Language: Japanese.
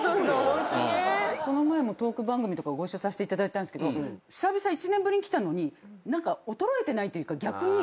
この前もトーク番組とかご一緒させていただいたんですけど久々１年ぶりに来たのに何か衰えてないっていうか。